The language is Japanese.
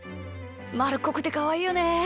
まるっこくてかわいいよね。